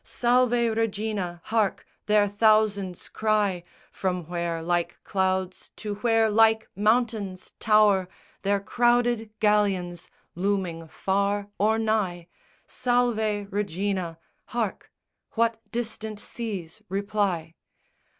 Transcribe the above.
Salve Regina, hark, their thousands cry, From where like clouds to where like mountains tower Their crowded galleons looming far or nigh, Salve Regina, hark, what distant seas reply!